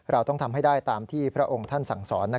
เราต้องทำให้ได้ตามที่พระองค์ท่านสั่งสอน